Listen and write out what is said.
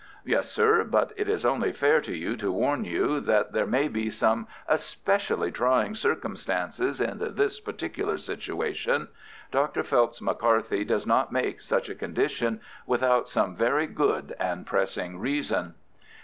"Yes, sir, but it is only fair to you to warn you that there may be some especially trying circumstances in this particular situation. Dr. Phelps McCarthy does not make such a condition without some very good and pressing reason."